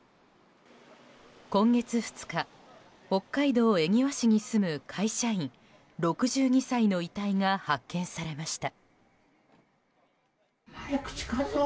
今月２日、北海道恵庭市に住む会社員、６２歳の遺体が発見されました。